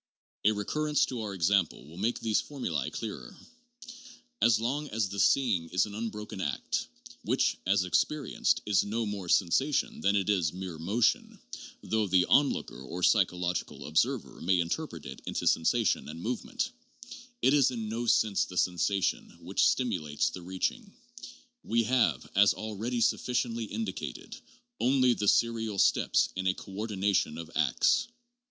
A recurrence to our example will make these formulae clearer. As long as the seeing is an unbroken act, which is as experienced no more mere sensation than it is mere motion (though the on looker or psychological observer can interpret it into sensation and movement) , it is in no sense the sensation which stimulates the reaching ; we have, as already sufficiently indicated, only the serial steps in a coordination of acts.